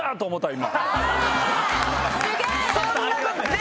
今。